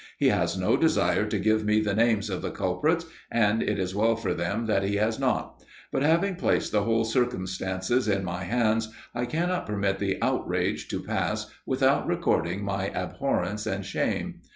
He has no desire to give me the names of the culprits, and it is well for them that he has not; but having placed the whole circumstances in my hands, I cannot permit the outrage to pass without recording my abhorrence and shame.